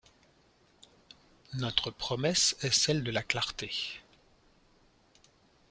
Notre promesse est celle de la clarté.